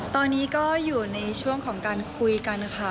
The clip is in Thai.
ตอนนี้ก็อยู่ในช่วงของการคุยกันค่ะ